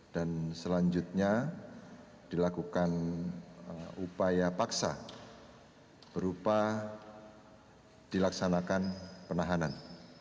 dan selanjutnya dilakukan upaya paksa berupa dilaksanakan penahanan